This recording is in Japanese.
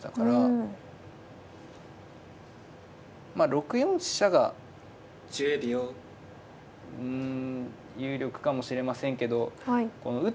６四飛車がうん有力かもしれませんけど打った